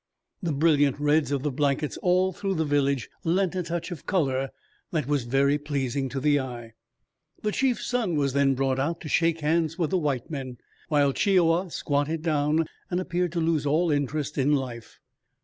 The brilliant reds of the blankets all through the village lent a touch of color that was very pleasing to the eye. The chief's son was then brought out to shake hands with the white men, while Chi i wa squatted down and appeared to lose all interest in life.